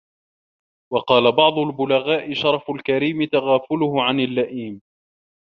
وَقَالَ بَعْضُ الْبُلَغَاءِ شَرَفُ الْكَرِيمِ تَغَافُلُهُ عَنْ اللَّئِيمِ